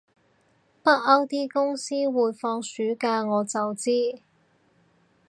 北歐啲公司會放暑假我就知